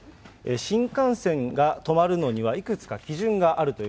新幹線が止まるのには、いくつか基準があるとい